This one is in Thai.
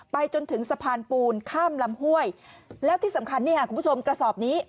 จนถึงสะพานปูนข้ามลำห้วยแล้วที่สำคัญนี่ค่ะคุณผู้ชมกระสอบนี้